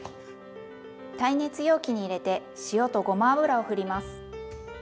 耐熱容器に入れて塩とごま油をふります。